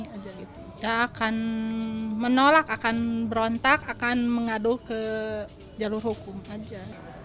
kita akan menolak akan berontak akan mengadu ke jalur hukum aja